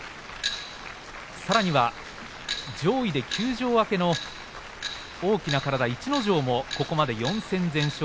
さらには上位で休場明けの大きな体、逸ノ城もここまで４戦全勝。